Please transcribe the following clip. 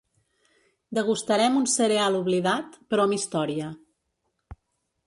Degustarem un cereal oblidat, però amb història.